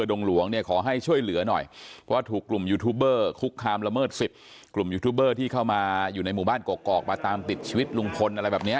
ด้วยกันทุกท่านทุกคนเทิน